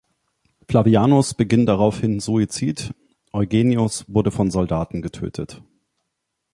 Flavianus beging daraufhin Suizid, Eugenius wurde von Soldaten getötet.